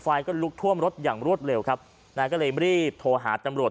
ไฟก็ลุกท่วมรถอย่างรวดเร็วครับนะฮะก็เลยรีบโทรหาตำรวจ